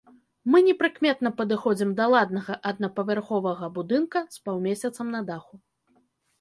Мы непрыкметна падыходзім да ладнага аднапавярховага будынка з паўмесяцам на даху.